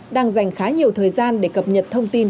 đang dành khá nhiều thời gian để cập nhật thông tin